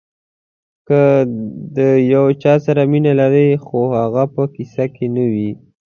که د یو چا سره مینه لرئ خو هغه په قصه کې نه وي.